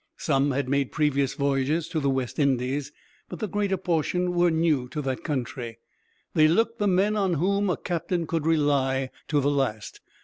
Some had made previous voyages to the West Indies, but the greater portion were new to that country. They looked the men on whom a captain could rely, to the last.